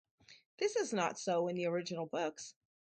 This is not so in the original books.